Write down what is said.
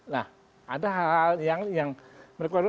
nah ada hal hal yang berkoordina